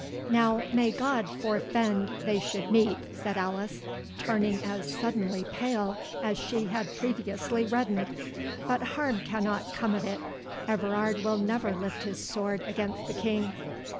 "Now, may God forefend they should meet," said Alice, turning as suddenly pale as she had previously reddened. "But harm cannot come of it; Everard will never lift his sword against the King."